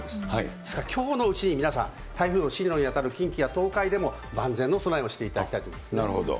ですからきょうのうちに皆さん、台風の進路に当たる近畿や東海でも万全の備えをしていただきたいなるほど。